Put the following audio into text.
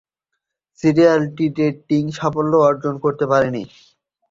সিরিজটি রেটিং সাফল্য অর্জন করতে পারেনি।